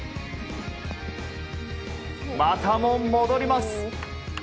またも戻ります。